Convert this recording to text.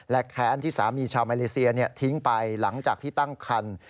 และแค้นที่สามีชาวมาเลเซียทิ้งไปหลังจากที่ตั้งคัน